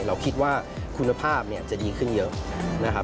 เราคิดว่าคุณภาพจะดีขึ้นเยอะนะครับ